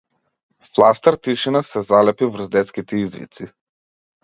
Фластер тишина се залепи врз детските извици.